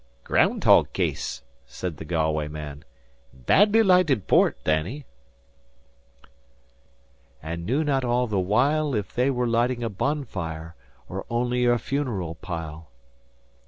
"Ground hog case," said the Galway man. "Badly lighted port, Danny." "And knew not all the while If they were lighting a bonfire Or only a funeral pile."